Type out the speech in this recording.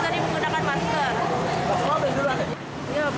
terganggu kok itu